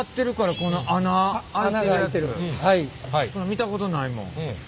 見たことないもん。